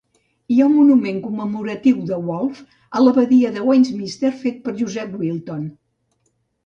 Hi ha un monument commemoratiu de Wolfe a l'abadia de Westminster fet per Joseph Wilton.